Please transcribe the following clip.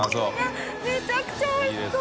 めちゃくちゃおいしそう！